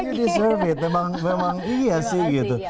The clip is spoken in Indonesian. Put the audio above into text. you deserve it memang iya sih gitu